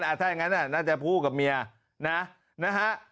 ถ้าอย่างนั้นน่าจะพูดกับเมียนะนะฮะ